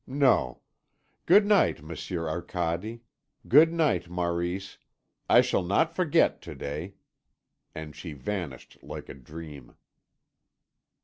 No. Good night, Monsieur Arcade. Good night, Maurice. I shall not forget to day." And she vanished like a dream.